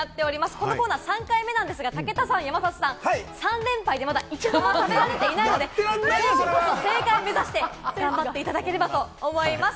このコーナー３回目ですが、武田さんと山里さんは３連敗でまだ一度も食べられてないので、正解目指して頑張っていただければと思います。